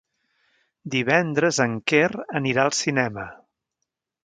Divendres en Quer anirà al cinema.